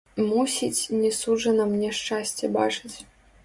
Мусіць, не суджана мне шчасце бачыць.